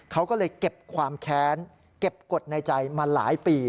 เขาก็เลยเก็บความแค้นเก็บกฎในใจมาหลายปี